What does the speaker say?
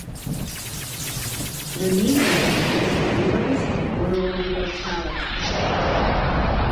Lenino is the nearest rural locality.